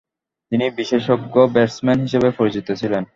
তিনি বিশেষজ্ঞ ব্যাটসম্যান হিসেবে পরিচিত ছিলেন।